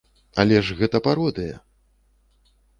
Але ж гэта пародыя!